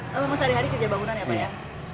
lama lama sehari hari kerja bangunan ya pak ya